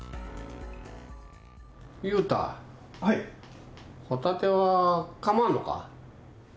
雄太、ホタテは構わんのか？